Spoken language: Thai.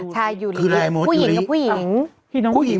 ใช่ยูลิผู้หญิงกับผู้หญิง